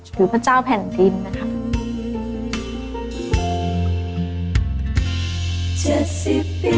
หรือพระเจ้าแผ่นดินนะคะ